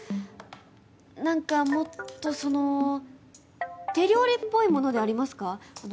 なんかもっとその手料理っぽいものでありますか？